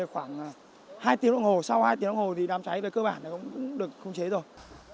khoảng hai tiếng đồng hồ sau hai tiếng đồng hồ thì đám cháy về cơ bản cũng được khống chế rồi